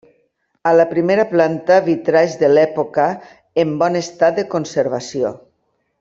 A la primera planta vitralls de l'època en bon estat de conservació.